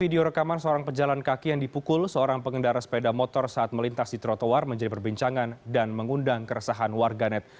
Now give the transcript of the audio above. video rekaman seorang pejalan kaki yang dipukul seorang pengendara sepeda motor saat melintas di trotoar menjadi perbincangan dan mengundang keresahan warganet